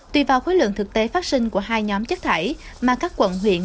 tùy vào khối lượng thực tế phát sinh của hai nhóm chất thải mà các quận huyện